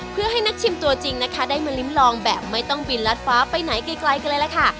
เพื่อให้นักชิมตัวจริงนะคะได้มาลิ้มลองแบบไม่ต้องบินรัดฟ้าไปไหนไกลกันเลยล่ะค่ะ